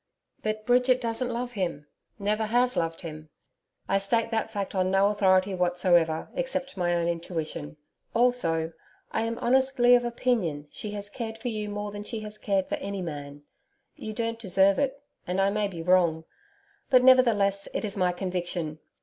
But Bridget, doesn't love him never has loved him. I state that fact on no authority whatsoever except my own intuition. Also I am honestly of opinion she has cared for you more than she has cared for any man. You don't deserve it, and I may be wrong. But, nevertheless, it is my conviction.